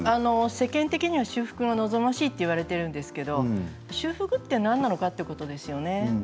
世間的には修復が望ましいと言われているんですけれども修復が何なのかということですよね。